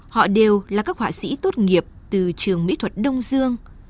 họ đều là các họa sĩ tốt nghiệp từ trường mỹ thuật đông dương